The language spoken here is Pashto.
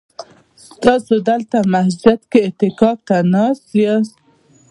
تاسي دلته مسجد کي اعتکاف ته ناست ياست؟